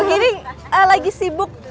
kira kira lagi sibuk